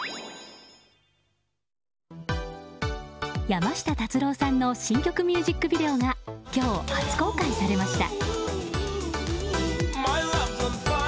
山下達郎さんの新曲ミュージックビデオが今日初公開されました。